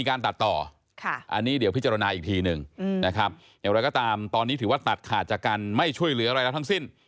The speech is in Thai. มีการตัดต่ออันนี้เดี๋ยวพิจารณาอีกทีหนึ่งตอนนี้ถือว่าตัดขาดจากการไม่ช่วยเหลืออะไรแล้วทั้งสิ้น